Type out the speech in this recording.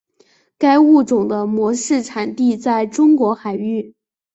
该物种的模式产地在中国海域。